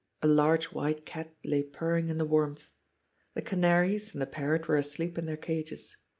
A large white cat lay purring in the warmth. The canaries and the parrot were asleep in their cages.